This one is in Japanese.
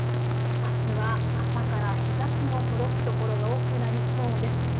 あすは朝から日ざしの届く所が多くなりそうです。